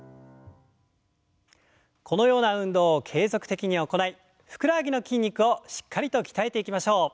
このような運動を継続的に行いふくらはぎの筋肉をしっかりと鍛えていきましょう。